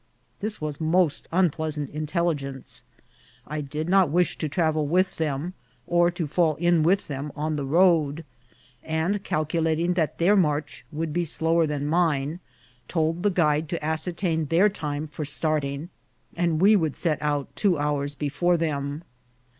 This was most unpleasant in telligence. I did not wish to travel with them, or to fall in with them on the road ; and calculating that their march would be slower than mine, told the guide to as certain their time for starting, and we would set out two hours before them.